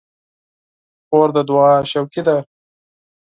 خور د دعا شوقي ده.